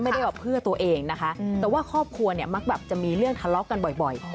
ไม่ได้แบบเพื่อตัวเองนะคะแต่ว่าครอบครัวเนี่ยมักแบบจะมีเรื่องทะเลาะกันบ่อย